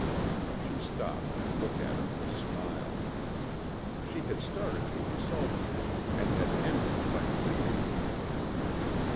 She stopped and looked at him with a smile. She had started to insult him and had ended by pleading with him.